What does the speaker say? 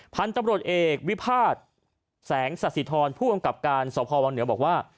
พันธุ์ตำรวจเอกวิพาทแสงสสิทรผู้กำกับการสพวังเหนือบอกว่า